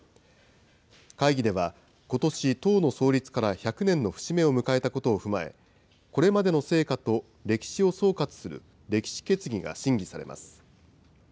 会議では、ことし党の創立から１００年の節目を迎えたことを踏まえ、これまでの成果と歴史を総括する歴史決議が審議されます。